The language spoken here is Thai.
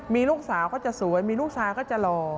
มีลูกสาวเขาจะสวยมีลูกสาวก็จะหล่อ